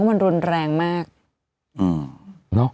มีสารตั้งต้นเนี่ยคือยาเคเนี่ยใช่ไหมคะ